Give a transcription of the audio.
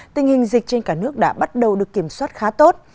tình hình dịch trên cả nước đã bắt đầu được kiểm soát khá tốt